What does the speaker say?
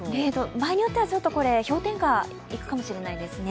場合によっては氷点下いくかもしれないですね。